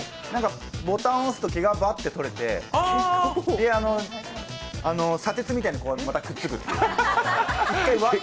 ボタンを押すと毛がバッと取れて、砂鉄みたいに、またくっつく。